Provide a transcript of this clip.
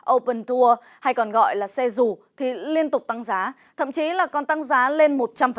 open tour hay còn gọi là xe rủ thì liên tục tăng giá thậm chí là còn tăng giá lên một trăm linh